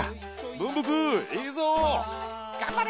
「ぶんぶくいいぞ！」。